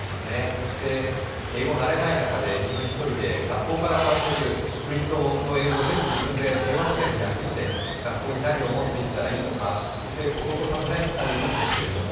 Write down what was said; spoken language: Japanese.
そして英語に慣れない中で自分１人で学校からもらってくるプリントの英語を全部、自分で英和辞典で訳して学校に何を持っていったらいいのか、そして弟さんと２人いるんですけど